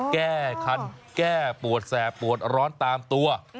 แก้คันแก้ปวดแสบปวดร้อนตามตัว